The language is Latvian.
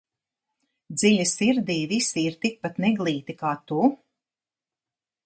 Dziļi sirdī visi ir tikpat neglīti kā tu?